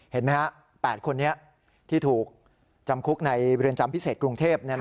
เห็นไหมครับ๘คนนี้ที่ถูกจำคุกในเรือนจำพิเศษกรุงเทพ